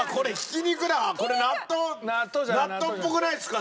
納豆っぽくないですか？